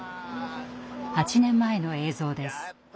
８年前の映像です。